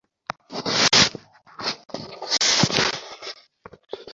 উভয়ে পরস্পরের প্রতি চোখ রেখে ময়দানে ঘুরতে থাকে।